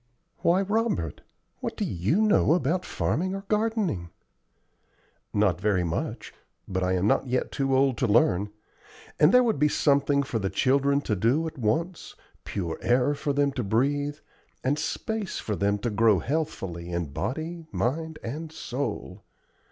"Why, Robert! what do you know about farming or gardening?" "Not very much, but I am not yet too old to learn; and there would be something for the children to do at once, pure air for them to breathe, and space for them to grow healthfully in body, mind, and soul.